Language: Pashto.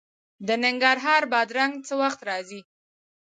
د ننګرهار بادرنګ څه وخت راځي؟